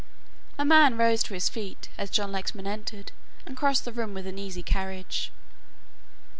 A man rose to his feet, as John Lexman entered and crossed the room with an easy carriage.